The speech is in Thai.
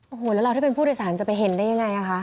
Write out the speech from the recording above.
โอ้โหแล้วเราถ้าเป็นผู้โดยสารจะไปเห็นได้ยังไงอ่ะคะ